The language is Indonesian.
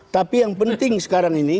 tapi yang penting sekarang ini